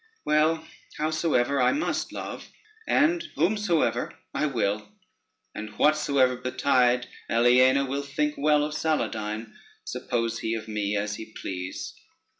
Well, howsoever, I must love, and whomsoever, I will; and, whatsoever betide, Aliena will think well of Saladyne, suppose he of me as he please."